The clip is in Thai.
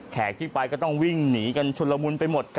ที่ไปก็ต้องวิ่งหนีกันชุดละมุนไปหมด